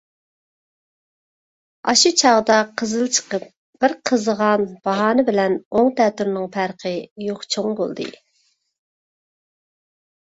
ئاشۇ چاغدا قىزىل چىقىپ، بىر قىزىغان باھانە بىلەن ئوڭ-تەتۈرىنىڭ پەرقى يوق چوڭ بولدى.